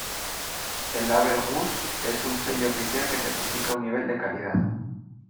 El Label Rouge es un sello oficial que certifica un nivel de calidad.